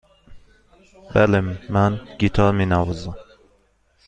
بله، من گیتار می نوازم.